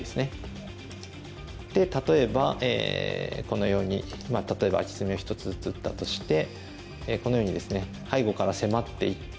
で例えばこのように例えばアキ隅を１つずつ打ったとしてこのようにですね背後から迫っていってですね